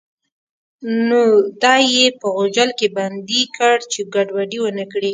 نو دی یې په غوجل کې بندي کړ چې ګډوډي ونه کړي.